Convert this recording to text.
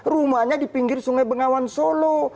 rumahnya di pinggir sungai bengawan solo